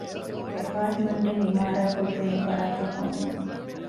އެޕާޓްމަންޓެއް ޢިމާރާތްކޮށްދޭނޭ ފަރާތެއް ހޯދުމަށް